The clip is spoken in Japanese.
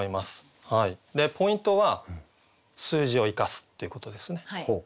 ポイントは「数字を生かす」っていうことですね。